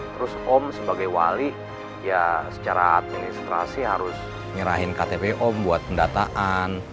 terus om sebagai wali ya secara administrasi harus nyerahin ktp om buat pendataan